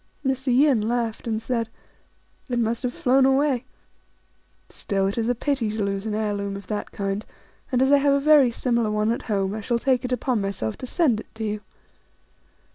Mr. Yin laughed, and said, " It must have flown away ! Still, it is a pity to lose an heir loom of that kind ; and as I have a very similar one at home, I shall take upon myself to send it to you."